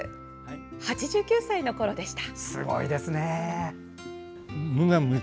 ８９歳のころでした。